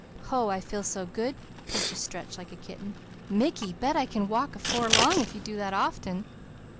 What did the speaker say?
"Hoh I feel so good!" Peaches stretched like a kitten. "Mickey, bet I can walk 'fore long if you do that often!